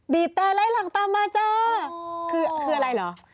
แต่ไล่หลังตามมาจ้าคืออะไรเหรอ